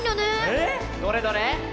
ええ⁉どれどれ。